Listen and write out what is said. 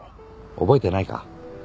覚えてないか？